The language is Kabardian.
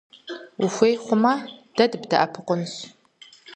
Ухуей хъумэ, дэ дыбдэӀэпыкъунщ.